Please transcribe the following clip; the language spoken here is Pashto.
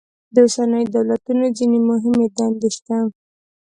د اوسنیو دولتونو ځینې مهمې دندې شته.